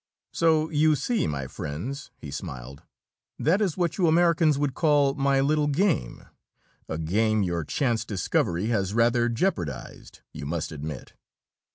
"So you see, my friends," he smiled, "that is what you Americans would call my 'little game' a game your chance discovery has rather jeopardized, you must admit."